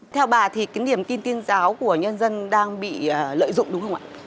theo bà thì cái niềm tin tiên giáo của nhân dân đang bị lợi dụng đúng không ạ